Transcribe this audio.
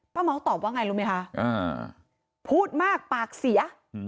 เมาส์ตอบว่าไงรู้ไหมคะพูดมากปากเสีย